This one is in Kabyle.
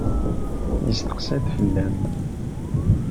Yesteqsa-d fell-am.